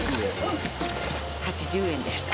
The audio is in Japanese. ８０円でした。